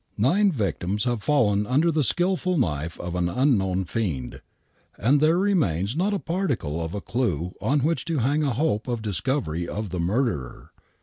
Nine victims have fallen under the skilful knife of an unknown fiend, and there remains not a particle of a clue on which to hang a hope of discovery of the murderer.